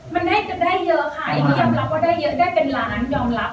มันได้เยอะค่ะอันนี้ยอมรับว่าได้เยอะได้เป็นล้านยอมรับ